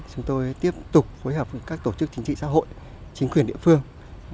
chúng tôi tiếp tục phối hợp với các tổ chức chính trị xã hội chính quyền địa phương